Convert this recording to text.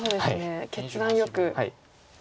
決断よく。